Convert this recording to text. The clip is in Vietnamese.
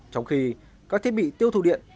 trong khi các thiết bị tiêu thụ điện